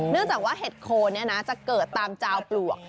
จากว่าเห็ดโคนจะเกิดตามจาวปลวก